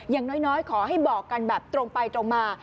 อย่างน้อยขอให้บอกกันแบบตรงไปตรงมา